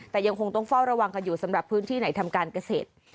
แต่ยังคงต้องเฝ้าระวังกันอยู่สำหรับพื้นที่ไหนทำการเกษตร